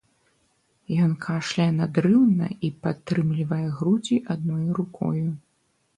Ён кашляе надрыўна і прытрымлівае грудзі адною рукою.